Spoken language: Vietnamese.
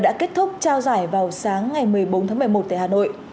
đã kết thúc trao giải vào sáng ngày một mươi bốn tháng một mươi một tại hà nội